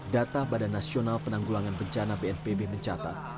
data badan nasional penanggulangan bencana bnpb mencatat